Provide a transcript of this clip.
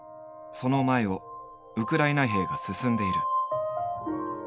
その前をウクライナ兵が進んでいる。